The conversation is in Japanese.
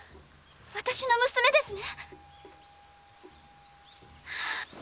私の娘ですね？